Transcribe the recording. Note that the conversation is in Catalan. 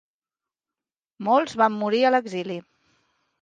Molts van morir a l'exili.